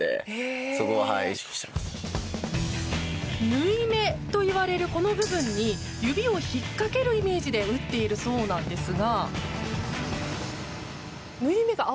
縫い目といわれるこの部分に指をひっかけるイメージで打っているそうなんですが。